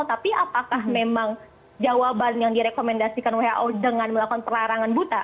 tapi apakah memang jawaban yang direkomendasikan who dengan melakukan pelarangan buta